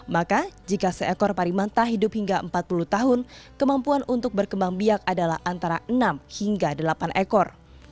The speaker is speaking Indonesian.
maka jika seekor parimanta hidup hingga empat puluh tahun kemampuan untuk berkembang biak adalah antara enam hingga delapan ekor